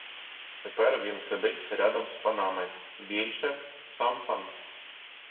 Тепер він сидить рядом з панами, більше — сам пан.